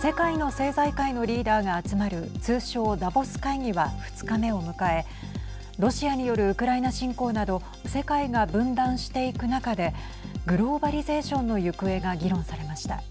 世界の政財界のリーダーが集まる通称、ダボス会議は２日目を迎えロシアによるウクライナ侵攻など世界が分断していく中でグローバリゼーションの行方が議論されました。